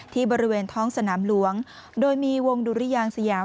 บริเวณท้องสนามหลวงโดยมีวงดุริยางสยาม